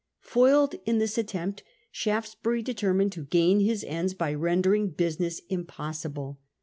Foiled in this attempt, Shaftesbury determined to gain his ends by rendering business im possible.